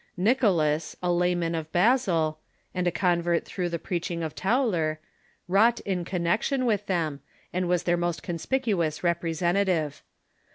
Nicholas, a layman of Basel, and a convert through the preaching of Tauler, wrought in connec tion with them, and was their most conspicuous representa tive.